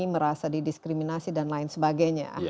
merasa didiskriminasi dan lain sebagainya